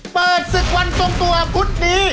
เปิดศึกวันส่วนตัวพุธดี